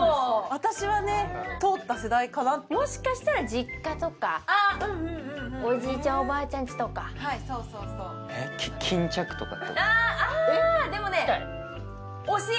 私はね通った世代かなもしかしたら実家とかあっうんうんおじいちゃんおばあちゃんちとかはいそうそうそうあーっでもね近い？